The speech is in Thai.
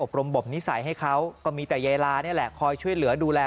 รมบนิสัยให้เขาก็มีแต่ยายลานี่แหละคอยช่วยเหลือดูแล